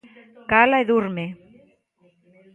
Cala e durme.